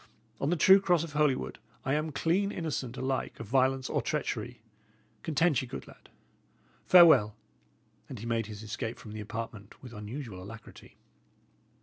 On the true cross of Holywood, I am clean innocent alike of violence or treachery. Content ye, good lad. Farewell!" And he made his escape from the apartment with unusual alacrity.